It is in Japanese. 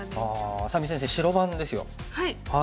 愛咲美先生白番ですよ。